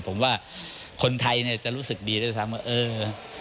ผมว่าคนไทยเนี่ยจะรู้สึกดีด้วยซ้ำว่าเออ